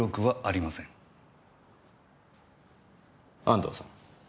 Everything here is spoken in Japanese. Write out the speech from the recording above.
安藤さん。